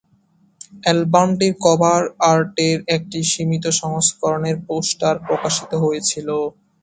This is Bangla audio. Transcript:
অ্যালবামটির কভার আর্টের একটি সীমিত সংস্করণের পোস্টার প্রকাশিত হয়েছিল।